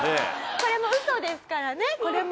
これもウソですから。